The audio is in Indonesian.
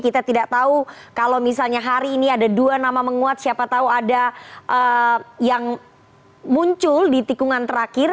kita tidak tahu kalau misalnya hari ini ada dua nama menguat siapa tahu ada yang muncul di tikungan terakhir